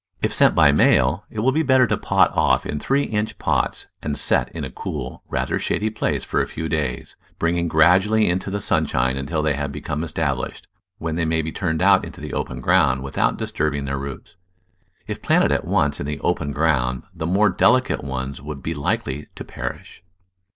If sent by mail it will be better to pot off in three inch pots, and set in a cool, rather shady place for a few days, bringing grad ually into the sunshine until they have become estab lished, when they may be turned out into the open ground without disturbing their roots. If planted at once in the open ground, the more delicate ones would be likely to perish.